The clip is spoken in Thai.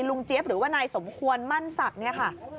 ลุงเจ๊บหรือว่านายสมควรมั่นสักนี่ค่ะ